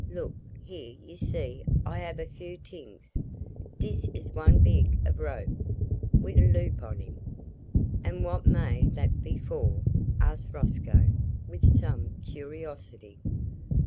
Look, here you see I hab a few t'ings. Dis is one bit ob rope wid a loop on him." "And what may that be for?" asked Rosco, with some curiosity.